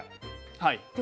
はい。